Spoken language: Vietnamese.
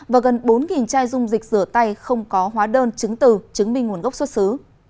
và gần bốn chai dung dịch rửa tay không có hóa đơn chứng từ chứng minh nguồn gốc xuất xứ